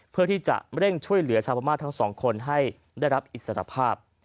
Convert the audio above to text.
เพื่อที่จะเร่งช่วยเหลือชาวพม่าทั้งสองคนให้ได้รับอิสรภาพ